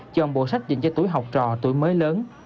cho một bộ sách dành cho tuổi học trò tuổi mới lớn